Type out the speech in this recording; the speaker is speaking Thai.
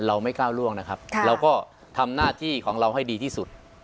ไม่ก้าวล่วงนะครับเราก็ทำหน้าที่ของเราให้ดีที่สุด